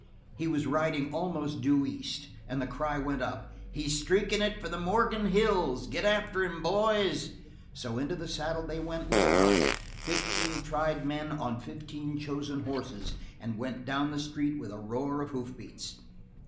He was riding almost due east, and the cry went up: "He's streakin' it for the Morgan Hills. Git after him, boys!" So into the saddle they went with a rush, fifteen tried men on fifteen chosen horses, and went down the street with a roar of hoof beats.